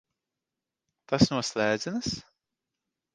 Tas no slēdzenes?